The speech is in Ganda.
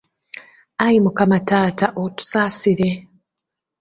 Ayi Mukama taata otusaasire.